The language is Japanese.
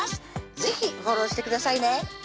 是非フォローしてくださいね